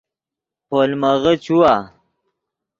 پولمغے چیوا